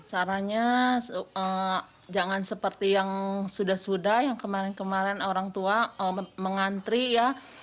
caranya jangan seperti yang sudah sudah yang kemarin kemarin orang tua mengantri ya